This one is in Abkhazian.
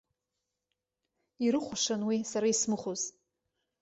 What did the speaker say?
Ирыхәашан уи, сара исмыхәоз.